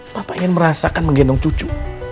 bapak ingin merasakan menggendong cucu